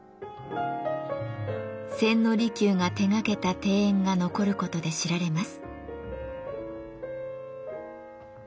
千利休が手がけた庭園が残ることで知られます。